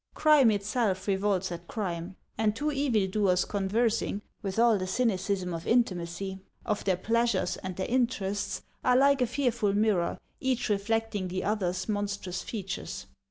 Crime itself .revolts at crime ; and two evil doers conversing, with all the cyni 172 HANS OF ICELAND. cism of intimacy, of their pleasures and their interests, are like a fearful mirror, each reflecting the other's monstrous features.